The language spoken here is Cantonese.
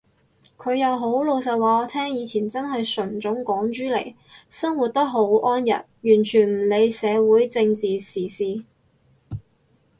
佢又好老實話我聽，以前真係純種港豬嚟，生活得好安逸，完全唔理社會政制時事